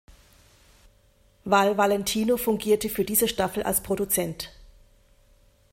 Val Valentino fungierte für diese Staffel als Produzent.